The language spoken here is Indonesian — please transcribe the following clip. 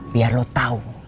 biar lu tau